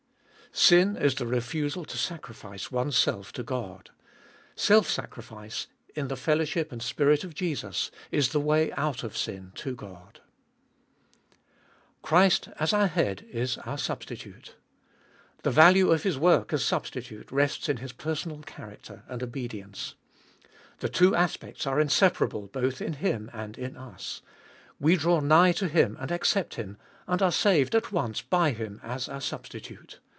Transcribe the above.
1. Sin is the refusal to sacrifice one's self to God. Self sacrifice in the fellowship and Spirit of Jesus Is the way out of sin to God. 2. Christ as our Head Is our Substitute. The value of His work as Substitute rests in His per sonal character and obedience. The two aspects are inseparable both in Him and in us. We draw nigh to Him and accept Him, and are saved at once by Him as our Substitute.